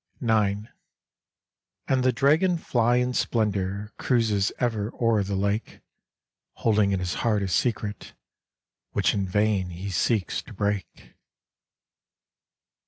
IX. And the Dragonfly in splendor Cruises ever o'er the lake, Holding in his heart a secret Which in vain he seeks to break.